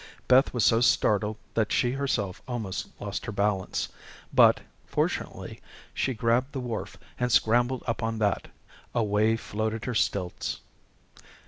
Beth was so startled that she herself almost lost her balance, but, fortunately, she grabbed the wharf, and scrambled up on that. Away floated her stilts.